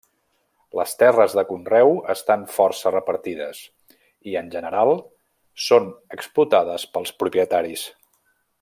Les terres de conreu estan força repartides i, en general, són explotades pels propietaris.